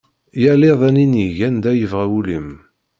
Yal iḍ ad ninig anda yebɣa wul-im.